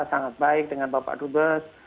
sangat baik dengan bapak dubes